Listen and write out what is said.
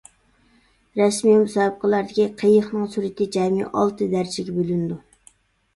رەسمىي مۇسابىقىلەردىكى قېيىقنىڭ سۈرئىتى جەمئىي ئالتە دەرىجىگە بۆلۈنىدۇ.